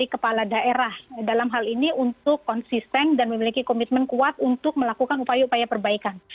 kepala daerah dalam hal ini untuk konsisten dan memiliki komitmen kuat untuk melakukan upaya upaya perbaikan